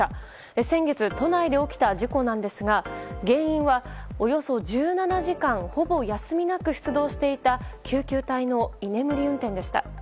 先月、都内で起きた事故なんですが原因はおよそ１７時間ほぼ休みなく出動していた救急隊の居眠り運転でした。